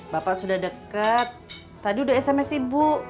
bapak sudah deket tadi udah sms ibu